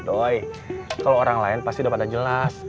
doy kalau orang lain pasti udah pada jelas